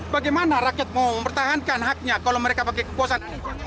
bagaimana rakyat mau mempertahankan haknya kalau mereka pakai kepuasan